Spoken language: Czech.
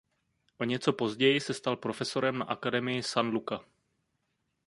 O něco později se stal profesorem na akademii San Luca.